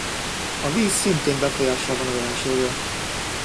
A víz szintén befolyással van a jelenségre.